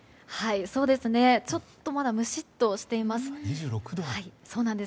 ちょっとまだムシッとしています。